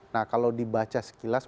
nah kalau dibaca sekilas